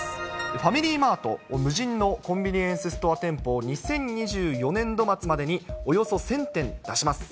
ファミリーマート、無人のコンビニエンスストア店舗を、２０２４年度末までにおよそ１０００店出します。